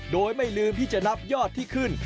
โดยไม่ลืมที่จะนับยอดที่ขึ้น